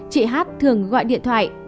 chị hát thường gọi điện thoại